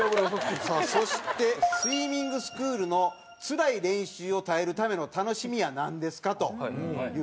そして「スイミングスクールのつらい練習を耐えるための楽しみはなんですか？」という質問です。